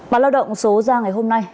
bản lao động số ra ngày hôm nay